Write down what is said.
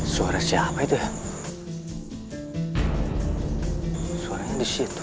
suara siapa itu suaranya disitu